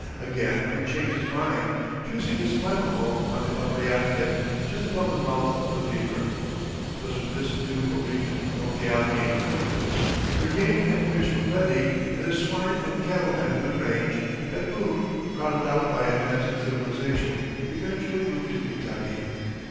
Again he changed his mind, choosing his final home on the upper Yadkin, just above the mouth of Beaver. It was from this beautiful region among the Alleghany foot hills, where game and fish were plenty and his swine and cattle had good range, that Boone, crowded out by advancing civilization, eventually moved to Kentucky.